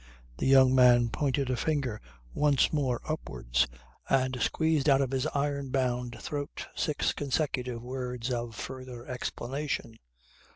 The young man pointed a finger once more upwards and squeezed out of his iron bound throat six consecutive words of further explanation.